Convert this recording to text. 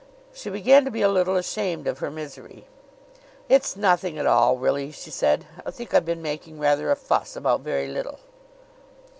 She began to be a little ashamed of her misery. "It's nothing at all; really," she said. "I think I've been making rather a fuss about very little."